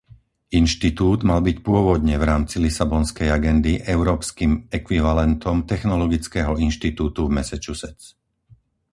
Inštitút mal byť pôvodne v rámci lisabonskej agendy európskym ekvivalentom Technologického inštitútu v Massachusetts.